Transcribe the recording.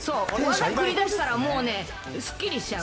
くり出したら、もうね、すっきりしちゃう。